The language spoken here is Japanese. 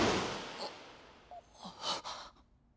あっ。